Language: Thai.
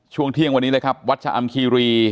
ช่วงเที่ยงวันนี้เลยครับวัดชะอำคีรี